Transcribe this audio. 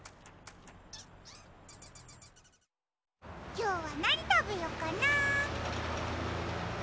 きょうはなにたべよっかな。